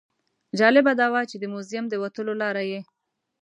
جالبه دا وه چې د موزیم د وتلو لاره یې.